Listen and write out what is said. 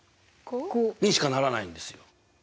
５？にしかならないんですよ。